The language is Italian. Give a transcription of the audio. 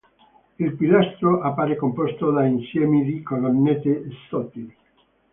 Il pilastro appare composto da insiemi di colonnette sottili.